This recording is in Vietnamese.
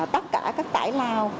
tất cả các tải lao